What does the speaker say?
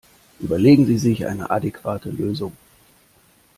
Überlegen Sie sich eine adäquate Lösung!